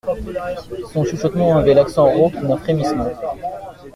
Son chuchotement avait l'accent rauque d'un frémissement.